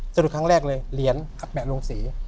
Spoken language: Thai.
สะดุดครั้งแรกเลยเหรียญอับแปะลงสี